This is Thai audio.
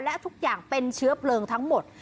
และทุกอย่างเป็นเชื้อเพลิงทั้งหมด